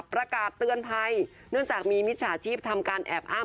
ประกาศเตือนภัยเนื่องจากมีมิจฉาชีพทำการแอบอ้าง